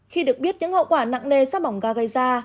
khi được biết những hậu quả nặng nề do mỏng ga gây ra